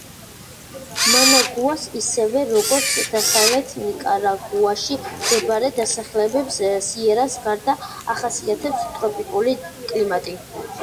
მანაგუას, ისევე, როგორც დასავლეთ ნიკარაგუაში მდებარე დასახლებებს, სიერას გარდა, ახასიათებს ტროპიკული კლიმატი.